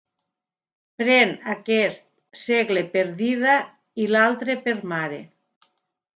Pren aquest segle per dida i l'altre per mare.